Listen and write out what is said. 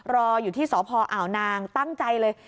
รออยู่ที่สพอ่าวนางตั้งใจเลย